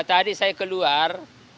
tadi saya keluar